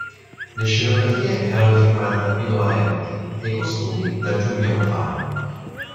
Le scenografie erano firmate da Pino Valenti e i costumi da Giulia Mafai.